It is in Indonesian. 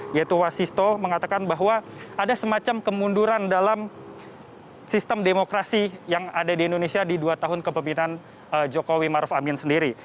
yaitu wasisto mengatakan bahwa ada semacam kemunduran dalam sistem demokrasi yang ada di indonesia di dua tahun kepemimpinan jokowi maruf amin sendiri